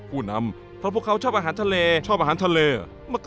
ผู้นำพวกเขาชอบอาหารทะเล